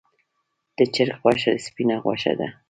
د چرګ غوښه سپینه غوښه ده